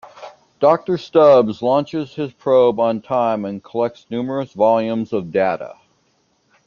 Doctor Stubbs launches his probe on time and collects numerous volumes of data.